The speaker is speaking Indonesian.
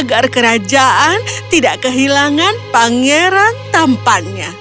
agar kerajaan tidak kehilangan pangeran tampannya